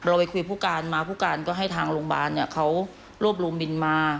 ไปคุยผู้การมาผู้การก็ให้ทางโรงพยาบาลเขารวบรวมบินมา